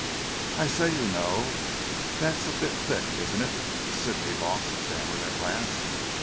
"I say, you know, that's a bit thick, isn't it?" Sidney Voss stammered at last.